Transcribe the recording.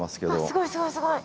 すごいすごいすごい。